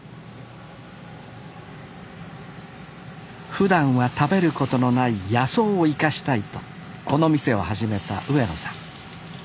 ふだんは食べることのない野草を生かしたいとこの店を始めた上野さん。